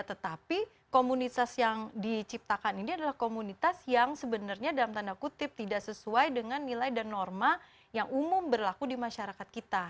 tetapi komunitas yang diciptakan ini adalah komunitas yang sebenarnya dalam tanda kutip tidak sesuai dengan nilai dan norma yang umum berlaku di masyarakat kita